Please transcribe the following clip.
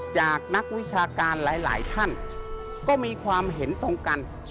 จากนักวิชาการหลายท่านก็มีความเห็นตรงกัน